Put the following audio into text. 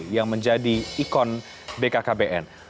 yang menjadi ikon bkkbn